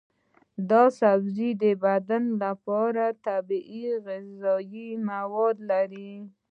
دا سبزی د بدن لپاره طبیعي غذایي مواد لري.